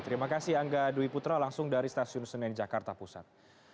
terima kasih angga dwi putra langsung dari stasiun senen jakarta pusat